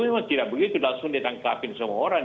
memang tidak begitu langsung ditangkapin semua orang